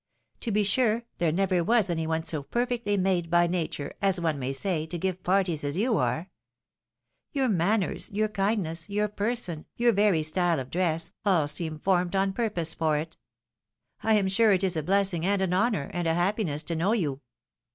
To be sure there never was any one so per fectly made by nature, as one may say, to give parties as you are. Your manners, yotu kindness, your person, your very style of dress, all seem formed on purpose for it. I am sure it is a blessing, and an honour, and a happiness to know you."